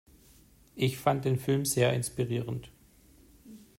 Ich fand den Film sehr inspirierend.